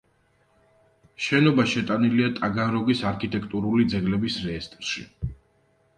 შენობა შეტანილია ტაგანროგის არქიტექტურული ძეგლების რეესტრში.